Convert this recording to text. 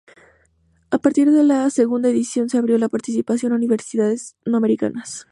A partir de la segunda edición se abrió la participación a universidades no americanas.